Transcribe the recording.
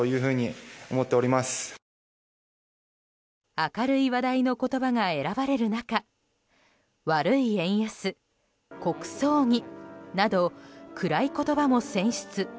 明るい話題の言葉が選ばれる中悪い円安、国葬儀など暗い言葉も選出。